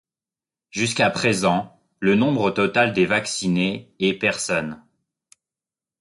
Jusqu'à présent, le nombre total des vaccinés est personnes.